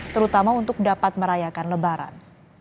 terutama untuk dapat merayakan lebaran